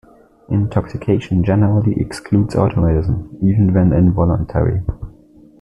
Intoxication generally excludes automatism, even when involuntary.